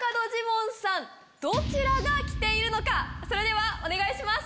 それではお願いします。